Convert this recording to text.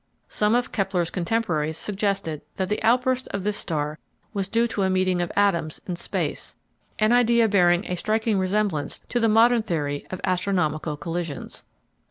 Some of Kepler's contemporaries suggested that the outburst of this star was due to a meeting of atoms in space, and idea bearing a striking resemblance to the modern theory of "astronomical collisions."